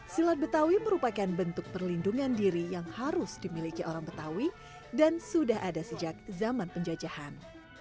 silat betawi merupakan bentuk perlindungan diri yang harus dimiliki orang betawi dan sudah ada sejak zaman penjajahan